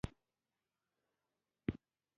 حضرت محمد ﷺ د امت خیر غوښت.